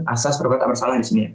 asas perbuatan bersalah di sini